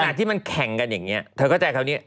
ที่มันแข่งกันอย่างนี้เธอเข้าใจคำนี้